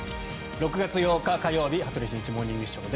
６月８日火曜日「羽鳥慎一モーニングショー」。